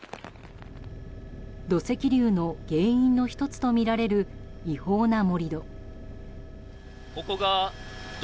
土石流の原因の１つとみられる違法な盛り土。